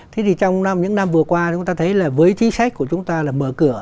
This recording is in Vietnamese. thế thì trong những năm vừa qua chúng ta thấy với chí sách của chúng ta là mở cửa